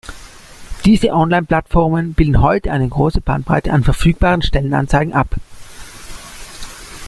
Diese Online-Plattformen bilden heute eine große Bandbreite an verfügbaren Stellenanzeigen ab.